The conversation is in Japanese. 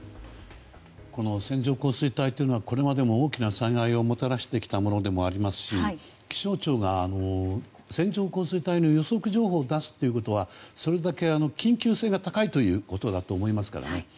線状降水帯というのはこれまでも大きな災害をもたらしてきたものでもありますし気象庁が線状降水帯の予測情報を出すということはそれだけ緊急性が高いということだと思いますからね。